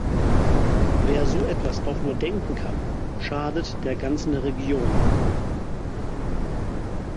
Wer so etwas auch nur denken kann, schadet der ganzen Region.